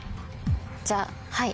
じゃあはい